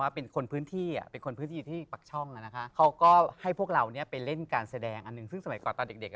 เพื่อนผู้ก็จะชอบเล่นก็ซอฟต์เต้นด้วยกันสมัยก่อน